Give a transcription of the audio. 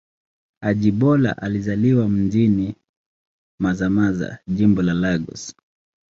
Ajibola alizaliwa mjini Mazamaza, Jimbo la Lagos.